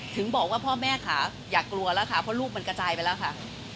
ถึงบอกว่าพ่อแม่ค่ะอย่ากลัวแล้วค่ะเพราะลูกมันกระจายไปแล้วค่ะ